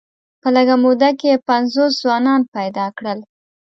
په لږه موده کې یې پنځوس ځوانان پیدا کړل.